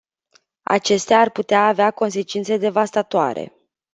Acestea ar putea avea consecințe devastatoare.